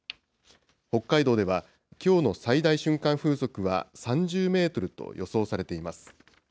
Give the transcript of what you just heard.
北海道では、きょうの最大瞬間風速は３０メートルと予想されています。